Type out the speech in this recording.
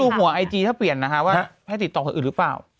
หัวไอจีถ้าเปลี่ยนนะคะว่าให้ติดต่อคนอื่นหรือเปล่า